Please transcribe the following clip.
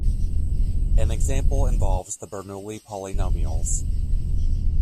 An example involves the Bernoulli polynomials.